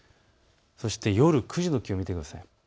夜９時の気温を見てください。